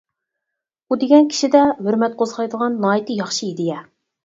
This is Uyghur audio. ئۇ دېگەن كىشىدە ھۆرمەت قوزغايدىغان ناھايىتى ياخشى ئىدىيە.